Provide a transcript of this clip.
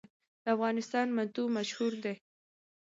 د افغانستان منتو مشهور دي